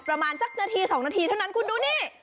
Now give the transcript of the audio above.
ประมาณสักนาที๒นาทีเท่านั้นคุณดูนี่